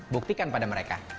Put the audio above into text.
buktikan pada mereka